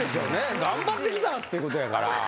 頑張ってきたってことやから。